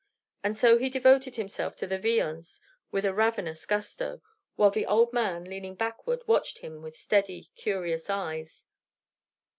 And so he devoted himself to the viands with a ravenous gusto, while the old man, leaning backward, watched him with steady, curious eyes.